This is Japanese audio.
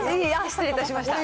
失礼しました。